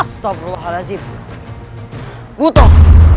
setapi roh allah sih